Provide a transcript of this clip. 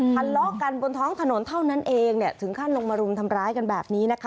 ทะเลาะกันบนท้องถนนเท่านั้นเองเนี่ยถึงขั้นลงมารุมทำร้ายกันแบบนี้นะคะ